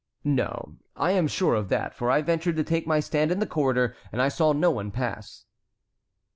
"No, I am sure of that, for I ventured to take my stand in the corridor, and I saw no one pass."